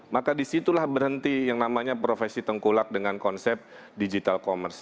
maka disitulah berhenti yang namanya profesi tengkulak dengan konsep digital commerce